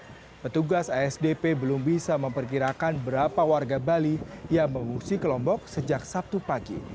namun petugas asdp belum bisa memperkirakan berapa warga bali yang mengungsi ke lombok sejak sabtu pagi